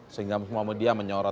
sehingga muhammadiyah menyorot